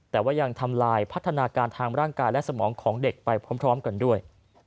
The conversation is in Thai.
แต่ว่ายังทำลายพัฒนาการทางร่างกายและสมองของเด็กไปพร้อมกันด้วย